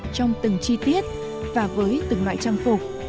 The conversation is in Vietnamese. trong từng chi tiết và với từng loại trang phục